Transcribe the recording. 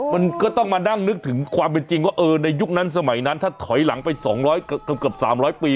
มันก็ต้องมานั่งนึกถึงความเป็นจริงว่าในยุคนั้นสมัยนั้นถ้าถอยหลังไป๒๐๐เกือบ๓๐๐ปี